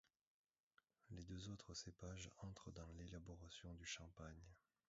Les deux autres cépages entrent dans l'élaboration du champagne.